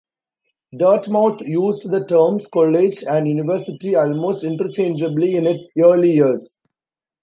Dartmouth used the terms "college" and "university" almost interchangeably in its early years.